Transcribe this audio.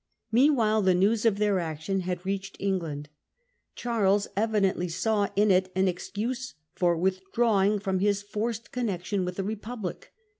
Meanwhile the news of their action had reached England. Charles evidently saw in it an excuse for with drawing from his forced connection with the Republic.